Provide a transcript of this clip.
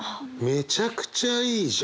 めちゃくちゃいいじゃん。